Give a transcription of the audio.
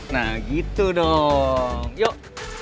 nah gitu dong yuk